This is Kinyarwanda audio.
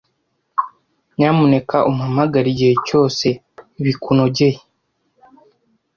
Nyamuneka umpamagare igihe cyose bikunogeye.